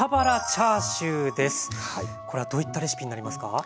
これはどういったレシピになりますか？